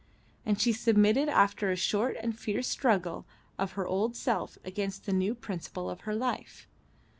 And she submitted after a short and fierce struggle of her old self against the new principle of her life.